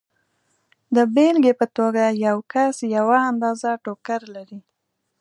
د بېلګې په توګه یو کس یوه اندازه ټوکر لري